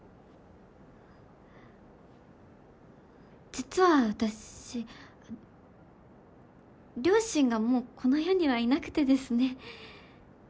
実は私両親がもうこの世にはいなくてですね。